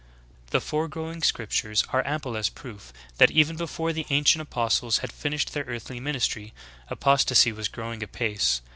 "' 16. The foregoing scriptures are ample as proof that even before the ancient apostles had finished their earthly ministry, apostasy was growing apace.